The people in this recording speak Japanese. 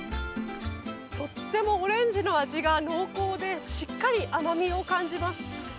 とってもオレンジの味が濃厚で、しっかり甘みを感じます。